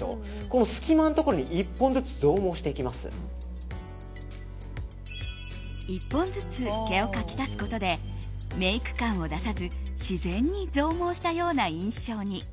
この隙間のところに１本ずつ毛を描き足すことでメイク感を出さず自然に増毛したような印象に。